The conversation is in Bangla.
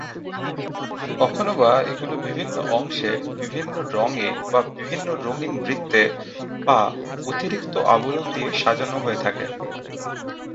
কখনোবা এগুলো বিভিন্ন অংশে বিভিন্ন রঙে বা বিভিন্ন রঙিন বৃত্তে বা অতিরিক্ত আবরণ দিয়ে সাজানো হয়ে থাকে।